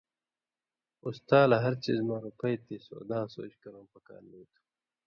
اُستا لہ ہر څیزہۡ مہ رُپئ تے سُوداں سُوچ کرؤں پکار نی تُھو